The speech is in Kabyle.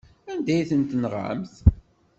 Anda ay ten-tenɣamt?